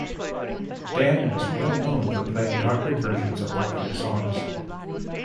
Dan was well known for playing doctored versions of popular songs.